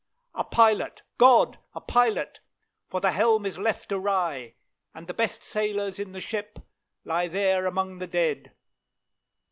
A pilot, GOD, a pilot! for the helm is left awry, And the best sailors in the ship lie there among the dead!"